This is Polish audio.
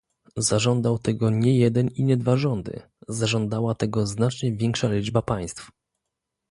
Zażądał tego nie jeden i nie dwa rządy, zażądała tego znacznie większa liczba państw